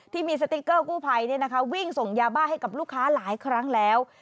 ที่มีสติ๊กเกอร์กู้ภัยวิ่งส่งยาบ้าให้กับลูกค้าหลายครั้งแล้ว